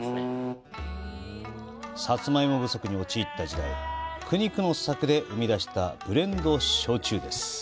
サツマイモ不足に陥った時代、苦肉の策で生み出したブレンド焼酎です。